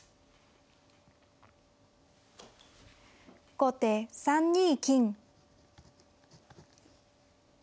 後手３二金。